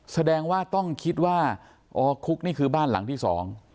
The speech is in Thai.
แสดงว่าต้องคิดว่าอคุกนี่คือบ้านหลังที่สอง